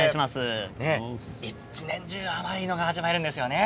一年中甘いのが味わえるんですよね。